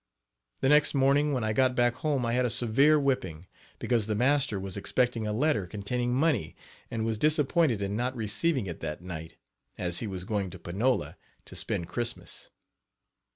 The next morning when I got back home I had a severe whipping, because the master was expecting a letter containing money and was disappointed in not receiving it that night, as he was going to Panola to spend Christmas.